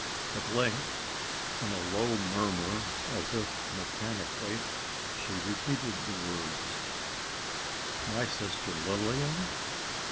At length, in a low murmur, and as if mechanically, she repeated the words: "My sister Lilian?"